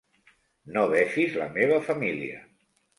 No befis la meva família.